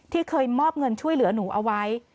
เคยมอบเงินช่วยเหลือหนูเอาไว้